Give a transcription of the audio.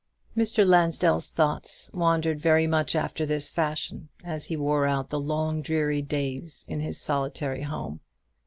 Mr. Lansdell's thoughts wandered very much after this fashion as he wore out the long dreary days in his solitary home.